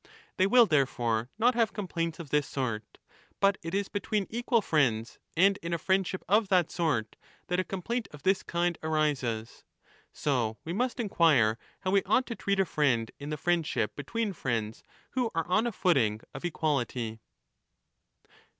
They will therefore not have complaints of this sort. But it is between equal friends and in a friendship of that sort that a complaint of this kind arises. So we must inquire how we ought to treat a friend 30 in the friendship between friends who are on a footing of equality.